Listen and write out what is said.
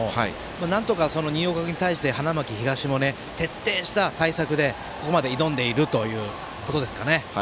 なんとか新岡君に対して花巻東も徹底した対策で、ここまで挑んでいるということですかね。